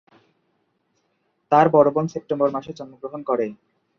তার বড় বোন সেপ্টেম্বর মাসে জন্মগ্রহণ করে।